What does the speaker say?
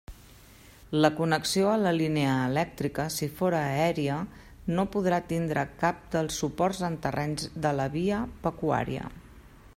La connexió a la línia elèctrica, si fóra aèria, no podrà tindre cap dels suports en terrenys de la via pecuària.